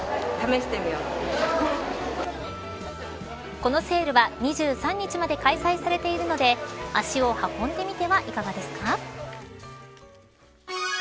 このセールは２３日まで開催されているので足を運んでみてはいかがですか。